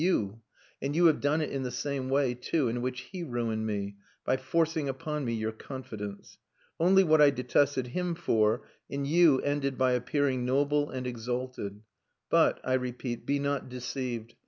You! And you have done it in the same way, too, in which he ruined me: by forcing upon me your confidence. Only what I detested him for, in you ended by appearing noble and exalted. But, I repeat, be not deceived.